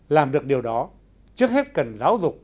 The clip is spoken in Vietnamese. làm được điều đó trước hết cần giáo dục